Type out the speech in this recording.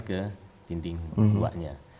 ke dinding gua nya